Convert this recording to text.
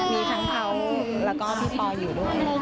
มีทั้งเขาแล้วก็พี่ปออยู่ด้วย